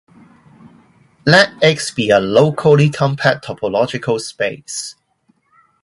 Let "X" be a locally compact topological space.